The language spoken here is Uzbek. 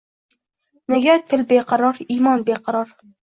Nega til beqaror, imon beqaror?!